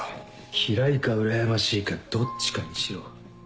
嫌いかうらやましいかどっちかにしろ。